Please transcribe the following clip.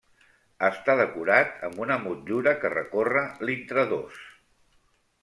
Està decorat amb una motllura que recorre l'intradós.